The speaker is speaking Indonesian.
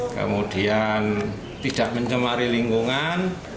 kemudian tidak mencemari lingkungan